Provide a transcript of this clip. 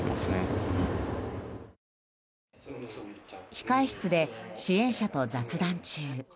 控室で支援者と雑談中。